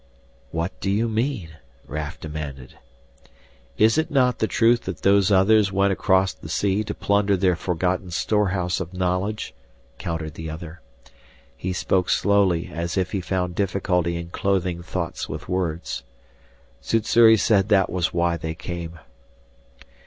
"What do you mean?" Raf demanded. "Is it not the truth that Those Others went across the sea to plunder their forgotten storehouse of knowledge?" countered the other. He spoke slowly as if he found difficulty in clothing thoughts with words. "Sssuri said that was why they came."